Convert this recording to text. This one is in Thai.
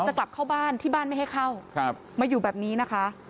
จะกลับเข้าบ้านที่บ้านไม่ให้เข้ามาอยู่แบบนี้นะคะ